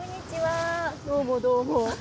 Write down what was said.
どうもどうも。